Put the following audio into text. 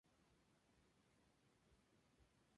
Además está inserto en el Sistema Nacional de Aeropuertos.